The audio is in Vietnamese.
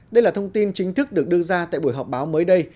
đây là thông tin chính thức được đưa ra tại buổi họp báo mới đây